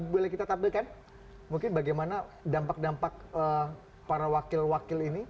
boleh kita tampilkan mungkin bagaimana dampak dampak para wakil wakil ini